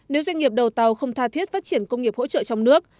nếu doanh nghiệp đầu tàu không tha thiết phát triển công nghiệp hỗ trợ trong nước